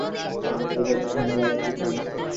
এরা সহজেই একটা ঝামেলা বাধিয়ে দিতে পারে।